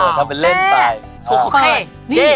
ทำเป็นเล่นไป